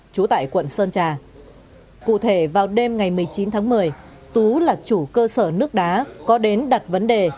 trú tại quận sơn trà cụ thể vào đêm ngày một mươi chín tháng một mươi tú là chủ cơ sở nước đá có đến đặt vấn đề